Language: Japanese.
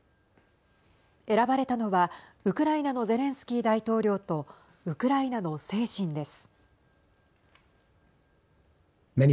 選ばれたのはウクライナのゼレンスキー大統領とウクライナの精神です。